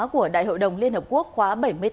của đại hội đồng liên hợp quốc khóa bảy mươi tám